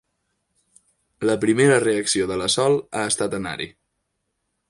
La primera reacció de la Sol ha estat anar-hi.